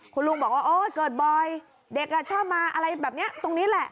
คุณลุงบอกว่าโอ๊ยเกิดบ่อยเด็กชอบมาอะไรแบบนี้ตรงนี้แหละ